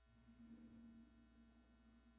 کار جہاں دراز ہے اب میرا انتظار کر